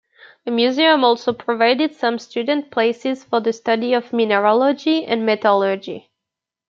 The museum also provided some student places for the study of mineralogy and metallurgy.